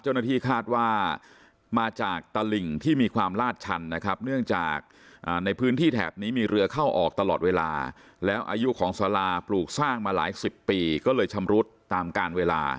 เจ้าหน้าที่คาดว่ามาจากตลิ่งที่มีความลาดชันนะครับเนื่องจากในพื้นที่แถบนี้มีเรือเข้าออกตลอดเวลาแล้วอายุของสาราปลูกสร้างมาหลายสิบปีก็เลยชำรุดตามการเวลา